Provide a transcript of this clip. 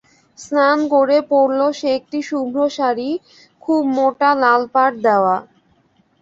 স্নান করে পরল সে একটি শুভ্র শাড়ি, খুব মোটা লাল পাড় দেওয়া।